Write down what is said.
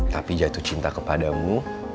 tapi jatuh cinta kepadamu